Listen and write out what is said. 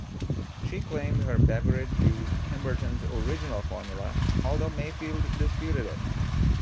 She claimed her beverage used Pemberton's original formula, although Mayfield disputed it.